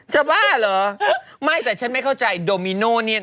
บ้าเหรอไม่แต่ฉันไม่เข้าใจโดมิโน่เนี่ย